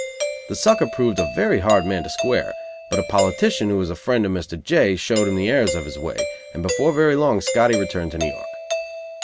The sucker proved a very hard man to square, but a politician who was a friend of Mr. J showed him the errors of his way, and before very long Scotty returned to New York.